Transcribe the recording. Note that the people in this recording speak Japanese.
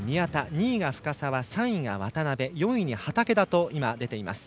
２位が深沢、３位が渡部４位に畠田と出ていました。